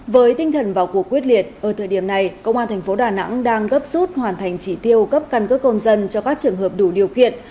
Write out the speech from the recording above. với tinh thần vào cuộc quyết liệt ở thời điểm này công an thành phố đà nẵng đang gấp rút hoàn thành chỉ tiêu cấp căn cước công dân cho các trường hợp đủ điều kiện